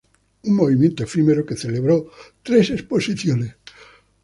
Un movimiento efímero que celebró tres exposiciones.